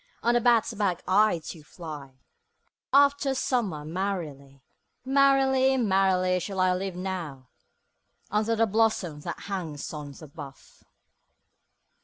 On the bat's back I do fly After summer merrily: 5 Merrily, merrily, shall I live now, Under the blossom that hangs on the bough.